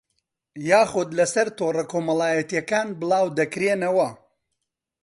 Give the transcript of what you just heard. یاخوود لەسەر تۆڕە کۆمەڵایەتییەکان بڵاودەکرێنەوە